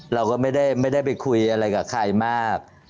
เราก็ไม่ได้ไปคุยอะไรกับใครมาก